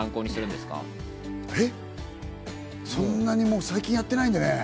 もう、そんなに最近やってないんでね。